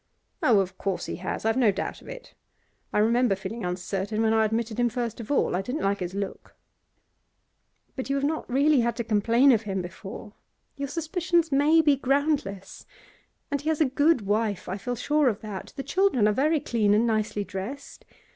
'Oh, of course he has. I've no doubt of it. I remember feeling uncertain when I admitted him first of all. I didn't like his look.' 'But you have not really had to complain of him before. Your suspicions may be groundless. And he has a good wife, I feel sure of that. The children are very clean and nicely dressed.